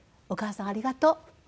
お母さんありがとう。